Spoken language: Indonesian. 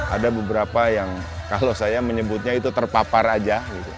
ada beberapa yang kalau saya menyebutnya itu terpapar aja